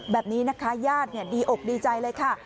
แบบนี้นะคะญาติดีอกดีใจเลยค่ะ